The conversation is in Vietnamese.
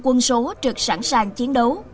một trăm linh quân số trực sẵn sàng chiến đấu